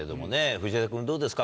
藤枝君どうですか？